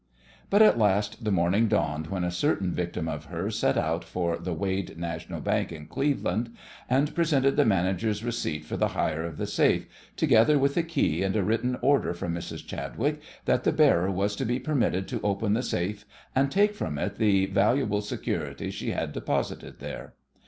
But at last the morning dawned when a certain victim of hers set out for the Wade National Bank in Cleveland, and presented the manager's receipt for the hire of the safe, together with the key and a written order from Mrs. Chadwick that the bearer was to be permitted to open the safe and take from it the valuable securities she had deposited there.